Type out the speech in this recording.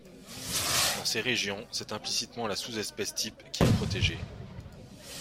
Dans ces régions, c'est implicitement la sous-espèce type qui est protégée.